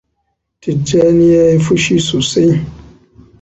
Tijjani ya yi fushi sosai.